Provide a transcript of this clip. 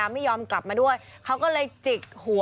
นี่คือรักนะฮะ